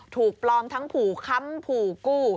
ถูกปลอมทั้งผู่ค้ำผู่กู้